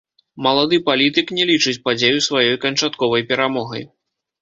Малады палітык не лічыць падзею сваёй канчатковай перамогай.